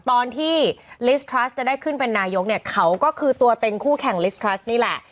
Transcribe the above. ตอนที่จะได้ขึ้นเป็นนายกเนี่ยเขาก็คือตัวเต็งคู่แข่งนี่แหละ